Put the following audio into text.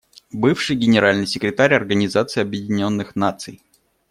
Бывший Генеральный секретарь Организации Объединенных Наций.